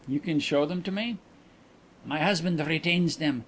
You can show them to me?" "My husband retains them.